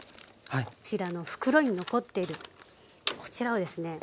こちらの袋に残っているこちらをですね